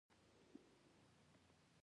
د چاریکار پر لور حرکت وکړ.